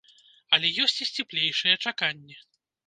Але ёсць і сціплейшыя чаканні.